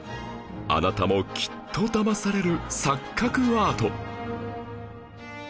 あなたもきっとだまされる錯覚アート